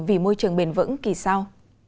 vì môi trường bền vững kỳ sau